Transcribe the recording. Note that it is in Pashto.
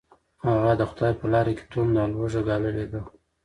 هغه د خدای په لاره کې تنده او لوږه ګاللې ده.